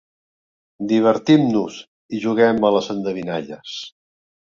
Divertim-nos i juguem a les endevinalles.